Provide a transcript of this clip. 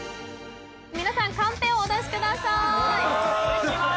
皆さんカンペをお出しください